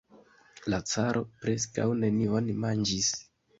La caro preskaŭ nenion manĝis.